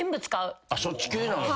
そっち系なんや。